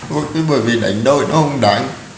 cứ bởi vì đánh đôi nó không đáng